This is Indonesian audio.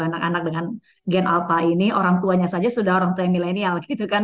anak anak dengan gen alpha ini orang tuanya saja sudah orang tua yang milenial gitu kan